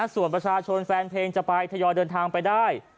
ส่วนประชาชนแฟนเพลงจะไปทยอยเดินทางไปได้